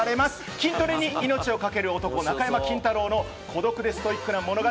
筋トレに命を懸ける男・中山筋太郎の孤独でストイックな物語。